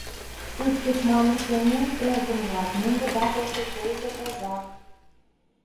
Сут тушманым сеҥен, эргым-влак, Мӧҥгыда пӧртыл толза тазак!